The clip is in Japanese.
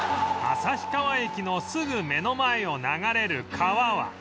旭川駅のすぐ目の前を流れる川は